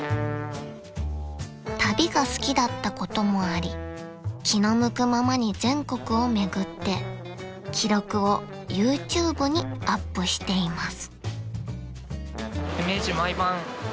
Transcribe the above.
［旅が好きだったこともあり気の向くままに全国を巡って記録をＹｏｕＴｕｂｅにアップしています］